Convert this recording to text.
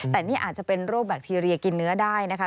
แต่นี่อาจจะเป็นโรคแบคทีเรียกินเนื้อได้นะคะ